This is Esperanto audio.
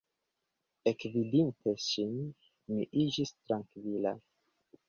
Ekvidinte ŝin, mi iĝis trankvila.